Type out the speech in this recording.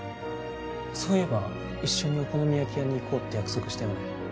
そういえば一緒にお好み焼き屋に行こうって約束したよね